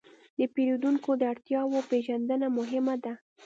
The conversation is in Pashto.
د پیرودونکو د اړتیاوو پېژندنه مهمه ده.